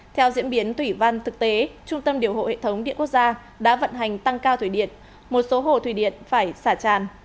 theo diễn biến thủy văn thực tế trung tâm điều hộ hệ thống điện quốc gia đã vận hành tăng cao thủy điện một số hồ thủy điện phải xả tràn